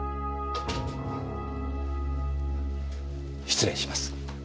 失礼します。